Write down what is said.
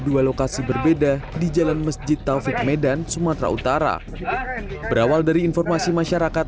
dua lokasi berbeda di jalan masjid taufik medan sumatera utara berawal dari informasi masyarakat